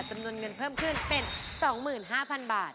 จำนวนเงินเพิ่มขึ้นเป็น๒๕๐๐๐บาท